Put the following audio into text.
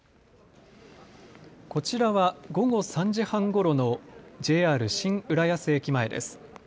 こちらは午後３時半ごろのＪＲ新浦安駅前です。